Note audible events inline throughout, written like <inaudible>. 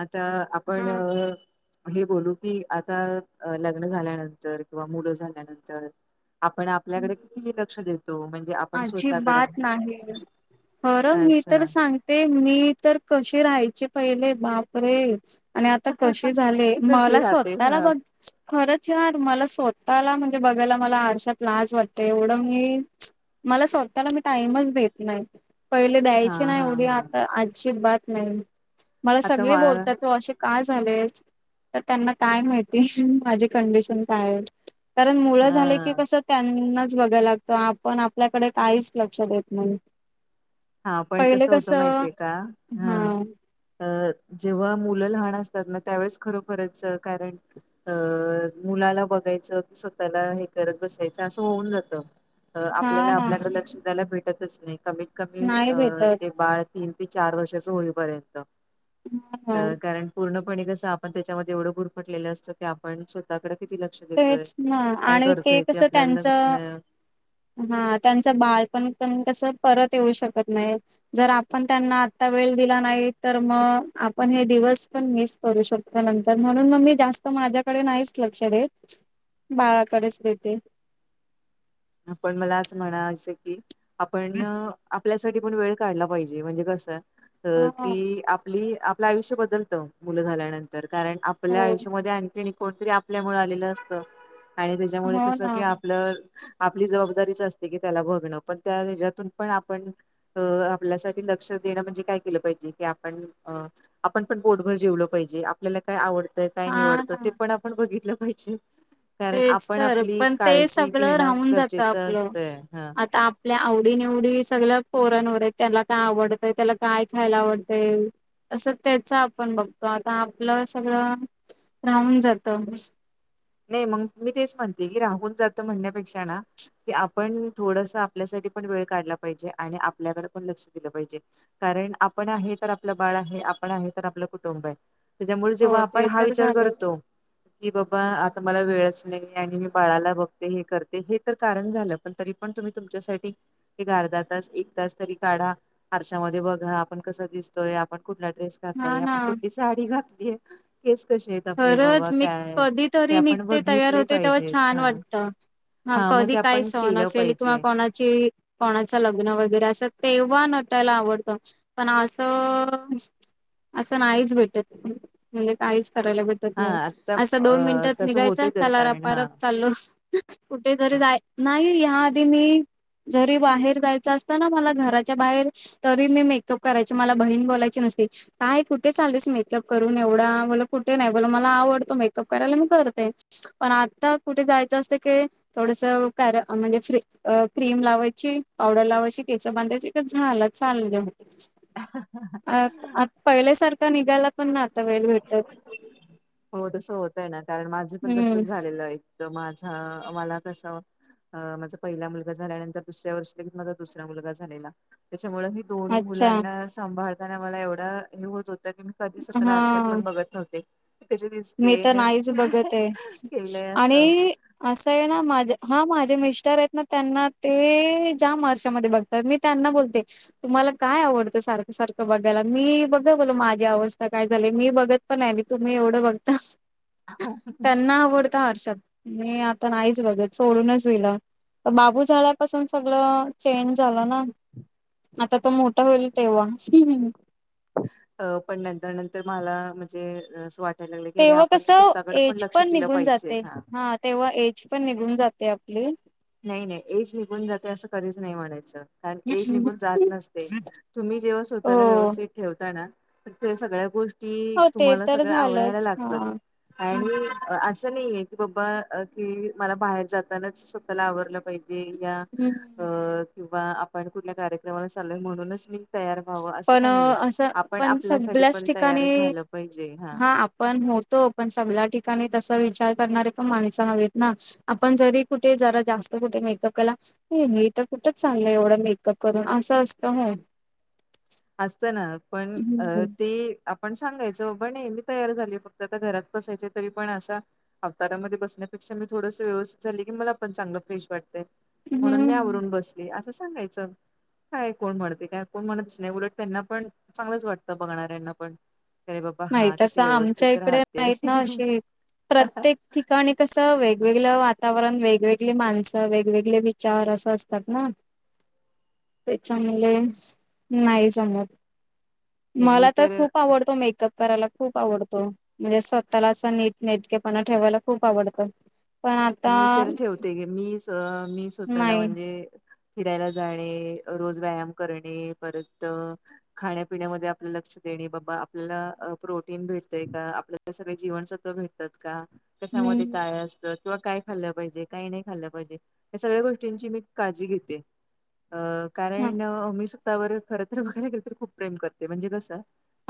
आता आपण हा हे बोलू की आता लग्न झाल्यानंतर किंवा मुलं झाल्यानंतर आपण आपल्याकडे किती लक्ष देतो म्हणजे आपण स्वतःकड अजिबात नाही खरं मी तर अच्छा सांग ते मी तर कसे राहायचे पहिले बापरे आणि आता कसे झाले कशी मला राहते हा स्वतला बघ खरंच यार मला स्वतःला म्हणजे बघायला मला आरशात लाज वाटते एवढं मी मला स्वतःला मी टाइमच देत नाही पहिले हा द्यायचे ना हा एवढी हा आता आजची बात नाही मला आता सगळे मा बोलतात तो अे का झाले तर त्यांना काय माहिती माझी कंडिशन काय आहे कारण मुलं हा झाले की कस त्यांनाच बघायला लागतं आपण आपल्याकडे काहीच लक्षात देत नाही हा पण कसं होतं माहितीय का हा अ जेव्हा मुलं लहान असतात ना त्यावेळेस खरोखरच कारण अ मुलाला बघायचं की स्वतःला हे करत बसायचं असं होऊन जात हा आपल्याला ना आपल्यालाडे लक्ष दयला भेटतच नाही कमीत कमी नाही अ भेटत ते बाळ तीन ते चार वर्षाच होईपर्यंत हा ना कारण पूर्णपणे कसं आपण त्याच्यामध्ये एवढं गुरफटलेलं असत क आपण स्वतःकडे किती ल तेच ना आणि ते कसं त्यांचं आपल्याला हा त्यांचं बाळ पण पण कस परत येऊ शकत नाही जर आपण त्यांना आता वेळ दिला नाही तर मग आपण हे दिवस पण मिस करू शकतो नंतर म्हणून मग मी जास्त माझ्याकडे नाहीच लक्ष देत. बाळाकडेच देते आपण मला असं म्हणायचं की आपण आपल्यासाठी पण वेळ काढला पाहिजे म्हणजे कसं हा. की आप आप आपलं आयुष्य बदलतं मुलं झाल्यानंतर कारण आपल्या हो. आयुष्यामध्ये आणखी कोणतरी आपल्यामुळे आलेलं असत आणि त्याच्यामुळे हो कसं ना. कि आपलं आपली जबाबदारीच असते की त्याला बघणं पण त्याच्यातून पण आपण अ आपल्यासाठी लक्ष देणं म्हणजे काय केलं पाहिजे की आपण अ आपण पण बोटभर जेवलं पाहिजे आपल्याला काय आवडतय काय हा निवडत ना. ते पण आपण बघितलं पाहिजे कारण तेच आपण तर आपली पण ते काळजी सगळं घेणं राहून जातं गरजेचं आपलं. असतय हा आता आपल्या आवडी निवडी सगळ पोरन वर आहेत त्याला काय आवडतय त्याला काय खायला आवडतंय असं त्याच आपण बघतो आता आपलं सगळं राहून जात नाही मग मी तेच म्हणते की राहून जातं म्हणण्यापेक्षा ना की आपण थोडस आपल्यासाठी पण वेळ काढला पाहिजे आणि आपल्याकडे पण लक्ष दिलं पाहिजे कारण आपण आहे तर आपलं बाळ आहे आपण आहे तर आपलं कुटुंब आहे त्याच्यामुळे जेव्हा हो आपण ते हा तर विचार झालंच. करतो की बाबा मला वेळच नाही आणि मी बाळाला बघते हे करते हे तर कारण झालं पण तरी पण तुम्ही तुमच्यासाठी एक अर्धा तास एक तास तरी काढा आरशामध्येध्ये बघा आपण कस दिसतोय आपण कुठला ड्रेस घातलाय हा ना आपण कुठली साडी घातलीय केस कशी आहेत आपले बाबा काय ते तरी आपण निघते तयार बघितले होते तेव्हा पाहिजेत छान हा वाटत हा मग कधी ते काही आपण सहन केलं असेल किंवा पाहिजे कोणाची कोणाचं लग्न वगैरे असं तेव्हा नटायला आवडतं पण असं असं नाहीच भेटत म्हणजे काहीच करायला भेट हा नाही आता असं दोन अ मिनिटात तसं निघायच होतय तर चला कारण हा रपारप चाललो कुठेेतरी जाय नाही याआधी मी जरी बाहेर जायचं असत ना मला घराच्या बाहेर तरी मी मेकअप करायचे मला बहीण बोलायची नसती काय कुठे चालेस मेतलब करून एवढा मला कुठे नाही बला मला आवडतो मेकअप करायला मी करते पण आता कुठे जायचं असतं की थोडसं कार म्हणजे फ्री अ क्रीम लावायची पावडर लावायची केस बांधायची का झालं चालले हो अ आता पहिल्यासारखा निघायला पण ना आता वेळ भेटत हो तसं होत आहे ना कारण माझे पण तसं हम्म झालेलं एक माझा मला कस अ माझा पहिला मुलगा झाल्या नंतर दुसऱ्यार्षी ले माझा दुसरा मुलगा झालेला त्याच्यामुळे दोन्ही अच्छा मुलांना सांभाळताना मला एवढा हे होत होतं की मी कधी हा क दिसते मी तर नाहीच बघत आहे केलंय अस आणि असं आहे ना माझ हा माझे मिस्टर आहेत ना त्यांना ते ज्या वर्षामध्ये बघ तर मी त्यांना बोलते तुम्हाला काय आवडतं सारखं सारखं बघायला मी बघा बोल माझी अवस्था काय झाली मी बघत पण म तुम्ही एवढं बघ त्यांना आवडता हर्षद मी आता नाहीच बघत सोडूनच गलं तर बाबू झाल्यापासून सगळ चेंज झाला ना आता तो मोठा होईल तेव्हा अ पण नंतर नंतर मला म्हणजे वाट त्याला लागलं की अरे तेव्हा आपण कसं स्वतःकडे पण एज लक्ष दिलं निघून पाहिजे जाते हा तेव्हा एज पण निघून जाते आपली नाही नाही एज निघून जाते असं कधीच नाही म्हणायचं कारण एज निघून जात नसते तुम्ही जेव्हा स्वतःला हो व्यवस्थित ठेवताना ते सगळ्या गोष्टी ती हो ते तुम्हाला तर सगळ आवडायला झालंच लागतात हां. आणि हम्म. असं नाहीये की बबा की मला बाहेर जातानाच स्वतःला आवरलं पाहि की या अ हम्म किंवा आपण कुठल्या कार्यक्रमाला चालोय म्हणूनच मी तयार व्हावं असं पण काय नाहीये असं आपण पण आपल्यासाठी सगळ्याच पण तयार झालं पाहिजे हा पण होतो पण सगल्या ठिकाणी तस विचार करणारे पण माणस हवेत ना. आपण जरी कुठे जरा जास्त कुठे मेकअप केला. हे मी त कुठंच चालंय एवढं मेकअप करून असं असतं होय. असत ना पण अ हम्म. तेी आपण सांगायचं बाबा नाही मी तयार झाली फक्त आता घरात बसायचे तरी पण असं अवतारामध्ये बसण्यापेक्षा मी थोडस व्यवस्थित झाले की मला पण चांगलं फ्रेशटतंय म्हणून मी हम्म आवरून बसली असं सांगायचं काय कोण म्हणते काय कोण म्हणत नाही उलट त्यांना पण चांगलंच वाटतं बघणाऱ्यांना पण अरे बाबा नाही हा किती तसं आमच्या व्यवस्थित इकडे राहते नाहीत ना असे प्रत्येक ठिकाणी कसं वेगवेगल वातावरण, वेगवेगले माणसं, वेगवेगले विचार, असं असतात ना. <inaudible> त्याच्या मुले नाही जमत हे मी मला तर खूप आवडतो मे कराला खूप आवडतो, म्हणजे स्वतःला असं नीट नेटकेपणा ठेवायला खूप आवडतं. पण मी आता तर ठेवते ग मी स मी स्वतःला नाही म्हणजे. फिरायला जाणे अ रोज व्यायाम करणे परत. खाण्यापिण्यामध्ये आपल लक्ष देणे बाबा आपल्याला प्रोटीन भेटतय का आपल सगळ जीवनसत्व भेटतात का कशामध्ये हम्म काय अस किंवा काय खाल्लं पाहिजे, काही नाही खाल्लं पाहिजे, या सगळ्या गोष्टींची मी काळजी घेते. अ हा कारण मी स्वतःवर खर तर बघायला ला गेल तर खूप प्रेम करते म्हणजे कस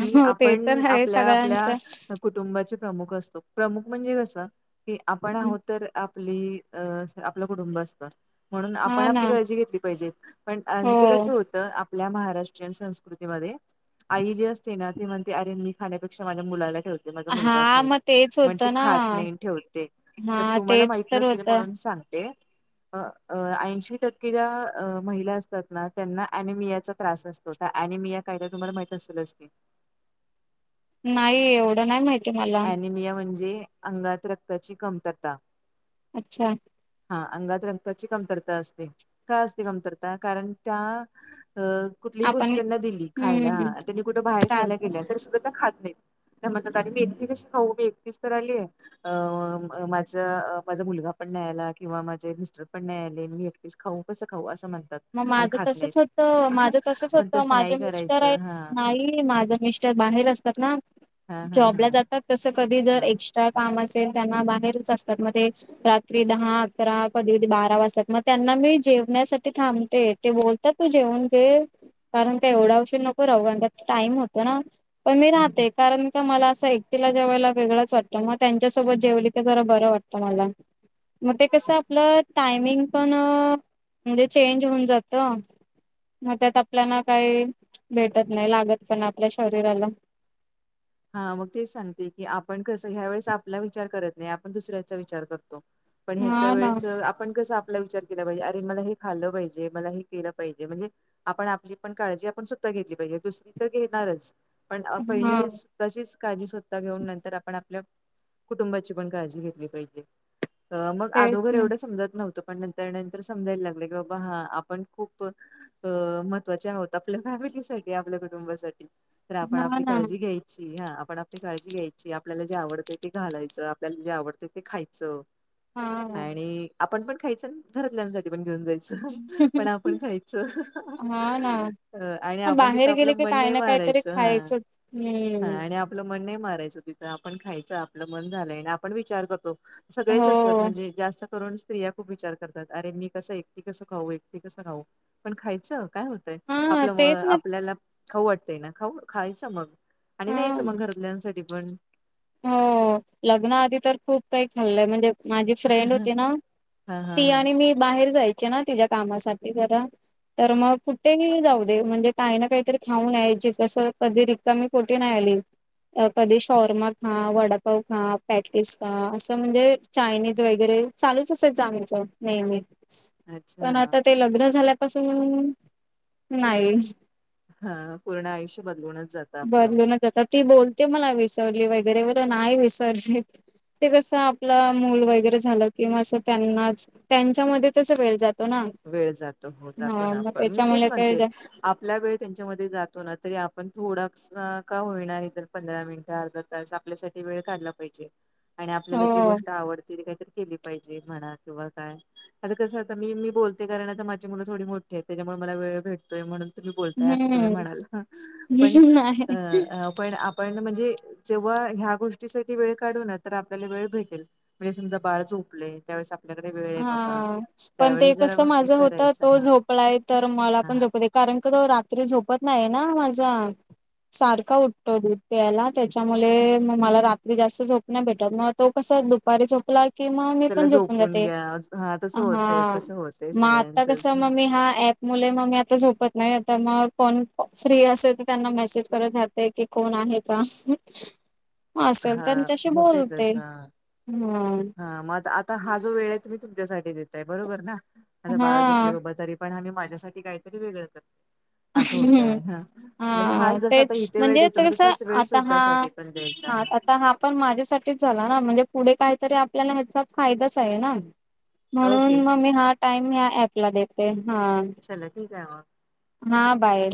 कि हो ते तर आपण आहे आपल्या सगळ्यांचं आपल्या कुटुंबाचे प्रमुख असतो प्रमुख म्हणजे कसं की आपण आहोत. तर आपली अ आपलं सं कुटुंब असतं. म्हणून आपण हा ना आपली काळजी घेतली पाहिजे पण अ हो ते कसे होत त आपल्या महाराष्ट्रीयन संस्कृतीमध्ये. आई जी असते ना ती म्हणते अरे मी खाण्यापेक्षा माझ्या मुलाला ठेव ते माझा मुलगा हा खाईल मग तेच मन ती होतं ना खात नाही ठेवते. तर हा तुम्हाला तेच माहित तर नसेल होतं. म्हणून सांगते. अ ऐंशी टक्के ज्या महिला असतात ना त्यांना अनिमियाचा त्रास अस तो त आनीमीया काय करतो तुम्हाला माहित असलच की. नाही एवढं नाही माहित. अनिमिया म्हणजे अंगात रक्ताची कमतरता. अच्छा हा अंगात रक्ताची कमतरता असते का असते कमतरता कारण त्या अ कुठलीही आपण गोष्ट त्यांना दिली खायला, हम्म हा अ त्यांनी कुठं बाहेर खायला चालतंय. गेल्या तर सुद्धा खात नहीत. त्या मज तारी मे <unintelligible> हो मी एकटीच तर आलीय अ माझा माझा मुलगा पण नाही आला. किंवा माझे मिस्टर पण नाही आले म मी एकटीच खाऊ कसं खाऊ असं म्हणतात. म आणि माझं खात नाही तसच होत, माझं तसच पण होतं, तसं नाही माझे मिस्टर आहे, करायचं हा नाही माझे मिस त्या बाहेर असतात ना. हा हा हा! जॉबला जातात तसं कधी जर हा एक्स्ट्रा काम असेल त्यांना बाहेरच असतात म ते रात्री दहा अकरा, कधी कधी बारा वाजातात, मग त्यांना मी जेवण्यासाठ ठी थांबते ते बोलतात तू जेवून घे. कारण का एवढा उशीर नको राहू टाईम होतो ना पण मी राहते कारण त मला असं एकटीला जेवायला वेगळंच वाटतं म त्यांच्यासोबत जेवली त जरा बरं वाटतं माला. मग ते कसं आपलं टायमिंग पण म्हणजे चेंज होऊन जातं. मग त्यात आपल्याला काही भेटत नाही, लागत पण आपल्या शरीराला. हा मग तेच सांगते की, आपण कसं ह्या वेळेस आपला विचार करत नाही, आपण दुसऱ्याचा विचार करतो. पण ह्याच्या हा ना वेळेस, आपण कसं आपला विचार, केलं पाहिजे, अरे मला हे खाल्लं पाहिजे, मला हे केलं पाहिजे, म्हणजे... आपण आपली पण काळजी आपण सुधा घेतली पाहिजे. दुसरी तर घेणारच पण हा पहिली, तशीच काळजी स्वतः घेऊन नंतर आपण आपल्या कुटुंबाची पण काळजी घेतली पाहिजे. मग तेच आदोगर एवढं समजत नव्हतं, पण नंतर नंतर समजायला लागले की बाबा हा आपण खूप अ महत्वाचे आहोत आपल्या फॅमिलीसाठी आपल्या कुटुंबासाठी, तर ना आपण हा आपली ना काळजी घ्याय ची हा आपण आपली काळजी घ्यायची, आपल्याला जे आवडत ते घालायचं, आपल्याला जे आवडतं ते खायचं. हा आणि आपण पण खायचं घरातल्यांसाठी पण घेऊन जाय पण आपण खायच हा ना अ आणि मग आपण तिथं बाहेर आपलं गेले की मन काय नाही ना काहीतरी मारायचं हा. खायचंच हा हम्म आणि आपलं मन नाही मारायचं तिथं आपण खायचं, आपलं मन झालंय, आणि आपण विचार करतो. हो सगळेच असतात. म्हणजे जास्त तरुण स्त्रिया खूप विचार करतात. अरे मी कसं एकटी कसं खाऊ, एकटी कसं खाऊ पण खायचं. काय हो... हा आपलं म,,, तेच ना आपल्याला खाऊ वाटतंय ना खाऊ खायचं मग. आणि हा न्यायचं मग घरातल्यांसाठी पण हो... लग्ना आधी तर खूप काही खाल्लंय म्हणजे माझी फ्रेंड होती ना, हा हा ती हा आणि मी बाहेर जायची ना, तिच्या्या कामासाठी जरा तर मग कुठेही जाऊ दे, म्हणजे काही ना काहीतरी खाऊन यायची, कस कधी रि कमी पटी नाही आली कधी शॉर म हा वडापाव खा, पॅटिस खा, असं म्हणजे चायनीज वगैरे चालूच असायच आमचं. नाहीत पण अच्छा आता ते लग्न झाल्यापासून, नाही... हा, पूर्ण आयुष्य बदलवूनच जात. बदलूनच आता ती बोलते मला विसरली वगैरे वर नाही विसरशिल ते कसं, आपलं मूल वगैरे झालं किंवा अस त्यांनाच त्यांच्यामध्ये तस वेळ जात. वेळ जातो हो, जातो ना पण, मी तेच त्याच्यामुळे काय म्हणते. आपल्या वेळ त्यांच्यामध्ये जातो ना, तरी आपण थोडा का... का होणार तर पंधरा मिनिटं अर्धा तास आपल्यासाठी वेळ काढला पाहिजे. आणि हो आपल्याला जी गोष्ट आवडते. काहीली पाहिजे म्हणा किंवा काय आता कस आ मी मी बो ते कारणा माझी मुलं थोडी मोठी आहे. त्याच्यामुळे मला वेळ भेटतोय म्हणून. तुम्ही बोलताय अस तुम्ही हम्म म्हणाल हां. पण... नाही अ पण आपण म्हणजे, जेव्हा ह्या गोष्टीसाठी वेळ काढू ना. तर आपल्याला वेळ भेटेल. म्हणजे समजा बाळ चोपलेय त्यावेळेस आपल्याकडे वेळ आहे बाबा, त्यावेळेस जरा हे माझ होत. करायचं तो हा झोपलाय तर मला हा पण हा झोपदे. कारण की तो रात्री झोपत नाही ना माझा. सारखा उठतो दुध प्यायला त्याच्यामुले मग मला रात्री जास्त झोप. नाही भेटत, मग तो कस दुपारी झोपला कि, मग मी चला पण झोपून जाते. घ्या हा तसं हा होतय तसं होतय म आता सगळ्यांचच कसं मग मी हा ॲप मुले मग मी आता झोपत नाही, आता मग फोन फ्री असेल तर, त्यांना मेसेज करत रा.. ते की कोण आहे का. <inaudible> असेल हा त्यांच्याशी बोलते. हम्म,,, ह मग आता हा जो वेळ आहे तुम्ही, तुमच्यासाठी देताय बरोबर ना, आता बाळा हा झोपले बाबा तरी, पण आम्ही माझ्यासाठी काहीतरी वेगळं करते असं होतंय ह म्हणजे हा हाच जसा तेच आता इथे वेळ म्हणजे देतो ते ना कसं तसाच वेळ आता हा स्वतःचा सा द्यायचा हा पण माझ्यासाठीठीच झाला ना म्हणजे पुढे काहीतरी आपल्याला ह्याचा फायदाच आहे ना म्हणून ओके मग मी हा टाइम या्या ऍपला देते हा चला ठीक आहे म हा बाहे